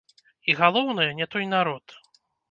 І, галоўнае, не той народ.